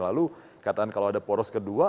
lalu katakan kalau ada poros kedua